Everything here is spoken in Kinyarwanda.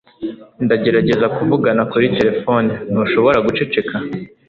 ndagerageza kuvugana kuri terefone. ntushobora guceceka